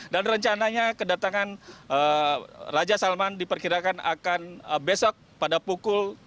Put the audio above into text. dan rencananya kedatangan raja salman diperkirakan akan besok pada pukul tujuh tiga puluh